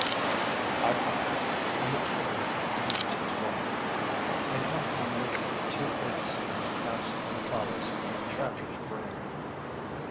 I promise and the curate continues his walk. I come home with two good seeds cast on the fallows of my childish brain.